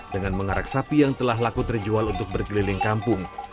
dengan mengarak sapi yang telah laku terjual untuk berkeliling kampung